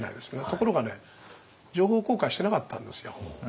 ところがね情報公開してなかったんですよ。